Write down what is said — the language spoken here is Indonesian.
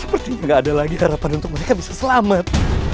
berarti gak ada lagi harapan untuk mereka bisa selamat